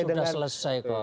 sudah selesai kok